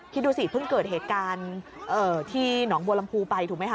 คิดดูสิเพิ่งเกิดเหตุการณ์ที่หนองบัวลำพูไปถูกไหมคะ